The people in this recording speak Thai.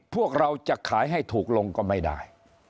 พวกเราจะขายให้ถูกลงก็ไม่ได้